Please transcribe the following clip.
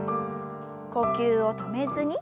呼吸を止めずに。